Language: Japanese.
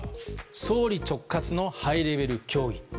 総理直轄のハイレベル協議。